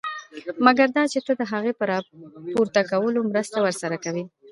مګر دا چې ته د هغه په راپورته کولو مرسته ورسره کوې.